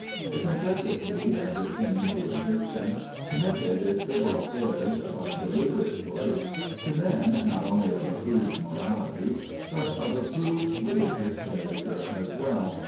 The Confederacy, as it came into existence, committed its civil affairs, by deliberate choice, to men, not only of approved morality, but of approved religious character as well.